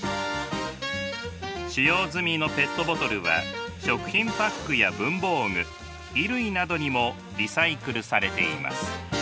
使用済みのペットボトルは食品パックや文房具衣類などにもリサイクルされています。